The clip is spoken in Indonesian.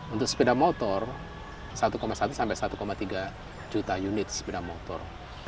untuk sepeda motor satu satu sampai satu tiga juta unit sepeda motor